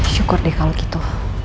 syukur deh kalau gitu